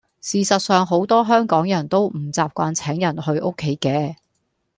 事實上好多香港人都唔習慣請人去屋企嘅